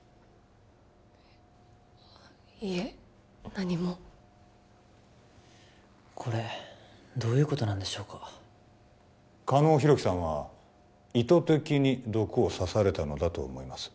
何もこれどういうことなんでしょうか狩野浩紀さんは意図的に毒を刺されたのだと思います